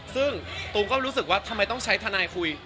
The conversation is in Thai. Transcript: ซึ่งตูมก็รู้สึกว่าทำไมต้องใช้ทนายคุย